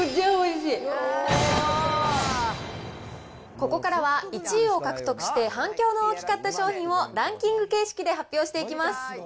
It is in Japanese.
ここからは、１位を獲得して反響の大きかった商品をランキング形式で発表していきます。